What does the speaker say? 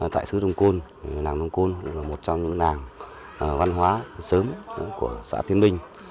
tại xứ đông côn nàng đông côn là một trong những nàng văn hóa sớm của xã thiên minh